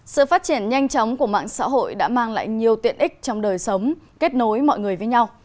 sự phát triển nhanh chóng của mạng xã hội đã mang lại nhiều tiện ích trong đời sống kết nối mọi người với nhau